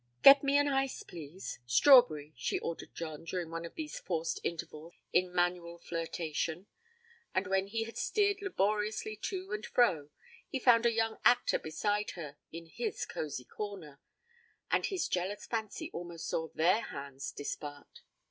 'Get me an ice, please strawberry,' she ordered John during one of these forced intervals in manual flirtation; and when he had steered laboriously to and fro, he found a young actor beside her in his cosy corner, and his jealous fancy almost saw their hands dispart.